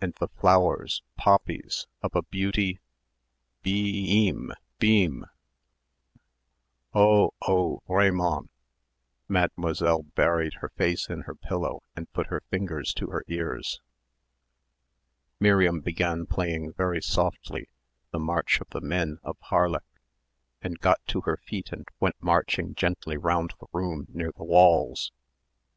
"and the flowers, poppies, of a beauty" "bee eeem beeem" ... "oh, oh, vraiment" Mademoiselle buried her face in her pillow and put her fingers to her ears. Miriam began playing very softly "The March of the Men of Harlech," and got to her feet and went marching gently round the room near the walls.